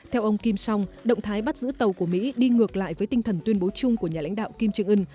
theo ông kim song động thái bắt giữ tàu của mỹ đi ngược lại với tinh thần tuyên bố chung của nhà lãnh đạo kim trương ưn